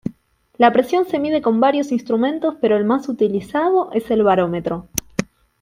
La presión se mide con varios instrumentos pero el más utilizado es el barómetro.